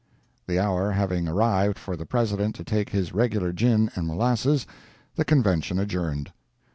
The hour having arrived for the President to take his regular gin and molasses, the Convention adjourned.